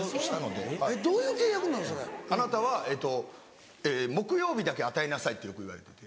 「あなたは木曜日だけ与えなさい」ってよく言われてて。